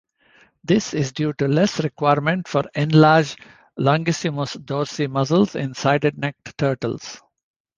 This is due to less requirement for enlarged longissimus dorsi muscles in side-necked turtles.